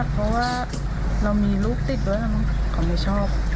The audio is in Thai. เพราะว่าเรามีลูกติดด้วยเขาไม่ชอบ